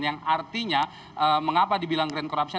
yang artinya mengapa dibilang grand corruption